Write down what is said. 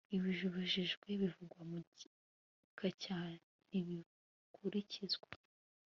ibibujijwe bivugwa mu gika cya ntibikurikizwa